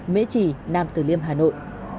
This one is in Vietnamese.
mỹ trì nam tử liêm hà nội